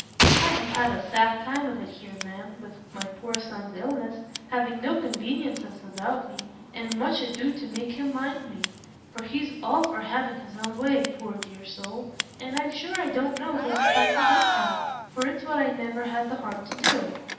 I have had a sad time of it here, ma'am, with my poor son's illness, having no conveniencies about me, and much ado to make him mind me; for he's all for having his own way, poor dear soul, and I'm sure I don't know who could contradict him, for it's what I never had the heart to do.